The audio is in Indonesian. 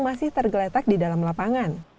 masih tergeletak di dalam lapangan